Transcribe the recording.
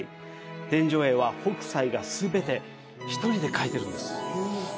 天井絵は北斎が全て一人で描いたんです。